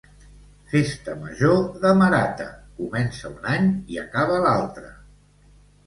Festa Major de Marata: comença un any i acaba l'altre